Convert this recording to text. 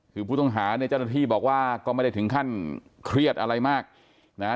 คือผู้ต้องหาเนี่ยเจ้าหน้าที่บอกว่าก็ไม่ได้ถึงขั้นเครียดอะไรมากนะฮะ